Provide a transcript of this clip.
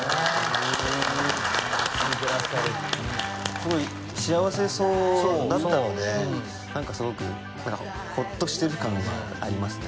すごい幸せそうだったのでなんかすごくホッとしてる感はありますね